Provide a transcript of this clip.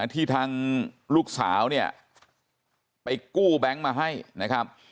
ที่ทางลูกสาวเนี่ยไปกู้แบงค์มาให้นะครับ